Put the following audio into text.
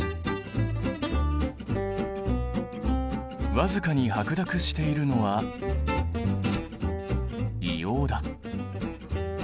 僅かに白濁しているのは硫黄だ。